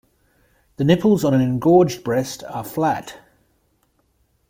The nipples on an engorged breast are flat.